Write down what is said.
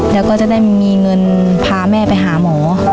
แล้วก็จะได้มีเงินพาแม่ไปหาหมอ